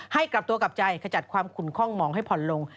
กลับตัวกลับใจขจัดความขุนคล่องหมองให้ผ่อนลง